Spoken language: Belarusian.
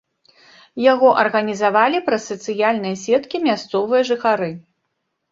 Яго арганізавалі праз сацыяльныя сеткі мясцовыя жыхары.